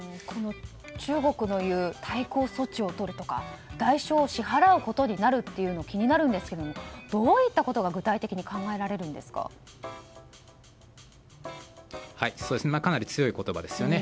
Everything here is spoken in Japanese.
中国のいう対抗措置をとるとか代償を支払うことになるっていうのは気になるんですけどどういったことがかなり強い言葉ですよね。